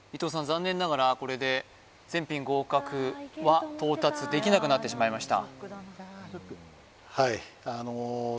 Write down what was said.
残念ながらこれで全品合格は到達できなくなってしまいました